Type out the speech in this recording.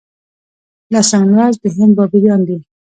لسم لوست د هند بابریان دي.